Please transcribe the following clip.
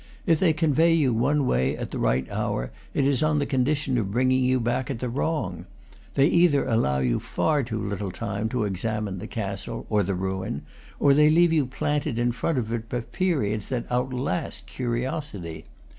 If they convey you one way at the right hour, it is on the condition of bring ing you back at the wrong; they either allow you far too little time to examine the castle or the ruin, or they leave you planted in front of it for periods that outlast curiosity.